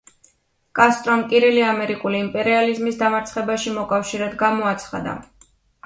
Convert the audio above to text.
კასტრომ კირილე ამერიკული იმპერიალიზმის დამარცხებაში მოკავშირედ გამოაცხადა.